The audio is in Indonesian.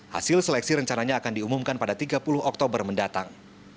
hasil seleksi rencananya akan diumumkan pada tiga puluh oktober mendatang